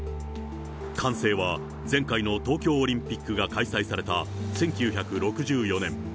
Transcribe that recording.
完成は前回の東京オリンピックが開催された１９６４年。